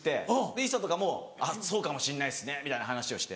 ＩＳＳＡとかも「そうかもしんないですね」みたいな話して。